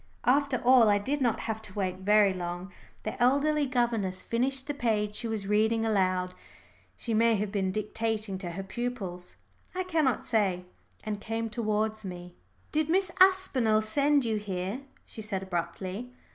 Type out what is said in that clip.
After all, I did not have to wait very long. The elderly governess finished the page she was reading aloud she may have been dictating to her pupils, I cannot say and came towards me. "Did Miss Aspinall send you here?" she said abruptly.